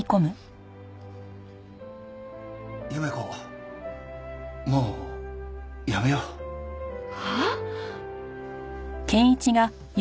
夢子もうやめよう。はあ！？